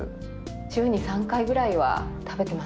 週に３回ぐらいは食べてますね。